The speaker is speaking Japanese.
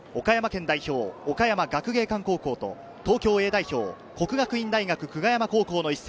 岡山県代表、岡山学芸館高校と東京Ａ代表・國學院大學久我山高校の一戦。